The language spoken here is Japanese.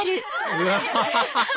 うわ！